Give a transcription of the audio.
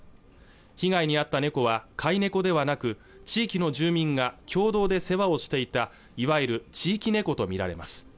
被害に遭った猫は飼い猫ではなく地域の住民が共同で世話をしていたいわゆる地域猫と見られます